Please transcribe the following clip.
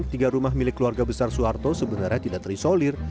tiga rumah milik keluarga besar suharto sebenarnya tidak terisolir